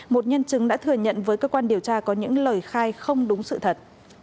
một nhân chứng đã thừa nhận với cơ quan điều tra có những lời khai không đúng sự thật